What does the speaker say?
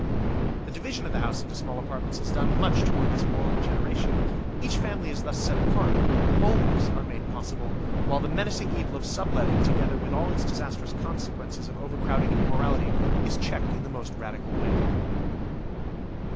The division of the house into small apartments has done much toward this moral regeneration. Each family is thus set apart, homes are made possible, while the menacing evil of subletting together with all its disastrous consequences of overcrowding and immorality is checked in the most radical way.